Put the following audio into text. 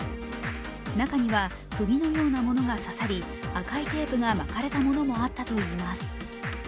中には、くぎのようなものが刺さり、赤いテープが巻かれたものもあったといいます。